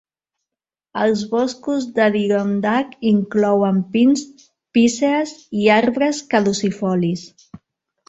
Els boscos d'Adirondack inclouen pins, pícees i arbres caducifolis.